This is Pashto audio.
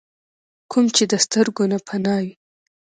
کوم چې د سترګو نه پناه وي ۔